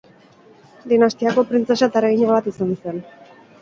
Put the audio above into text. Dinastiako printzesa eta erregina bat izan zen.